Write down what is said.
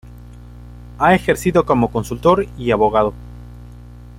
Ha ejercido como consultor y abogado.